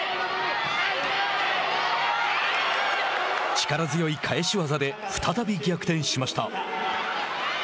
力強い返し技で再び逆転しました。